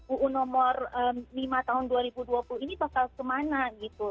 uu nomor lima tahun dua ribu dua puluh ini bakal kemana gitu